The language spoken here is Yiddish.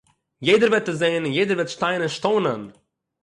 יעדער וועט עס זען און יעדער וועט שטיין און שטוינען